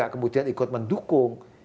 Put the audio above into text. kemudian ikut mendukung